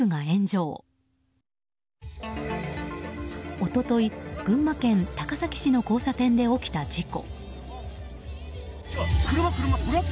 一昨日、群馬県高崎市の交差点で起きた事故。